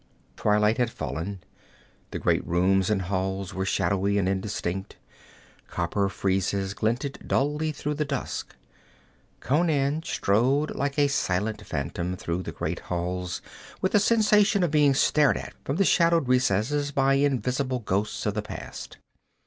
Twilight had fallen. The great rooms and halls were shadowy and indistinct; copper friezes glinted dully through the dusk. Conan strode like a silent phantom through the great halls, with a sensation of being stared at from the shadowed recesses by invisible ghosts of the past.